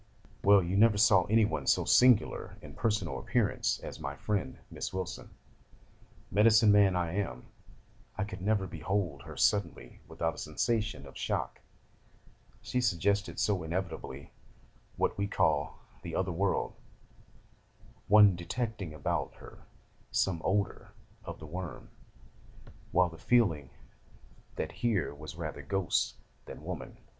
'Well, you never saw anyone so singular in personal appearance as my friend, Miss Wilson. Medicine man as I am, I could never behold her suddenly without a sensation of shock: she suggested so inevitably what we call "the other world," one detecting about her some odour of the worm, with the feeling that here was rather ghost than woman.